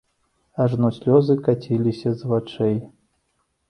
Ажно слёзы каціліся з вачэй.